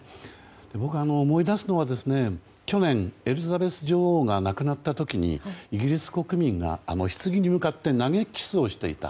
僕が思い出すのは去年、エリザベス女王が亡くなった時イギリス国民がひつぎに向かって投げキッスをしていた。